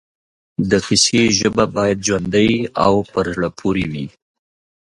د کیسې ژبه باید ژوندۍ او پر زړه پورې وي